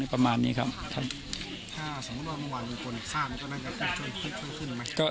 ประมาณนี้ครับครับถ้าสมมุติว่าเมื่อวานมีคนสร้างก็น่าจะช่วยขึ้นขึ้นขึ้นไหม